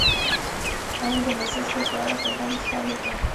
هغې د حساس خوب په اړه خوږه موسکا هم وکړه.